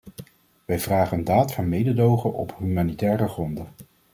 Wij vragen een daad van mededogen op humanitaire gronden.